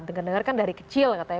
dengar dengar kan dari kecil katanya